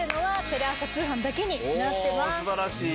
おお素晴らしい。